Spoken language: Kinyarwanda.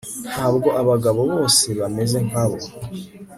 ntabwo abagabo bose bameze nkabo